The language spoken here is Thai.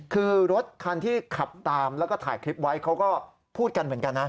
คือรถคันที่ขับตามแล้วก็ถ่ายคลิปไว้เขาก็พูดกันเหมือนกันนะ